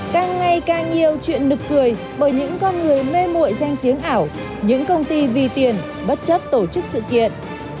càng ngày càng nhiều chuyện nực cười bởi những con người mê mội danh tiếng ảo những công ty vi tiền bất chất tổ chức sự kiện